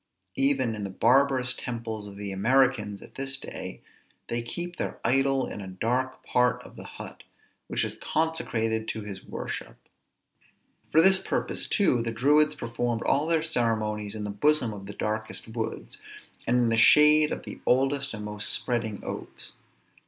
Even in the barbarous temples of the Americans at this day, they keep their idol in a dark part of the hut, which is consecrated to his worship. For this purpose too the Druids performed all their ceremonies in the bosom of the darkest woods, and in the shade of the oldest and most spreading oaks.